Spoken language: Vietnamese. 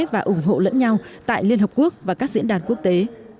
và ủng hộ lẫn nhau tại liên hợp quốc và các diễn đàn quốc tế